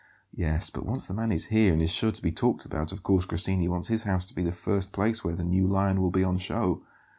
"Yes; but once the man is here and is sure to be talked about, of course Grassini wants his house to be the first place where the new lion will be on show.